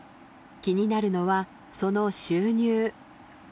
気になるのはその収入。